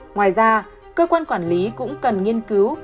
ngoài ra cơ quan quản lý cũng cần nghiên cứu